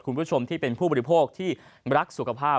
คุณผู้ชมที่เป็นผู้บริโภคที่รักสุขภาพ